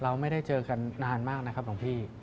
เราไม่ได้เจอกันนานมากนะครับหลวงพี่